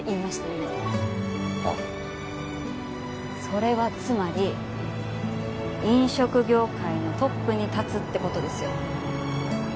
それはつまり飲食業界のトップに立つって事ですよ。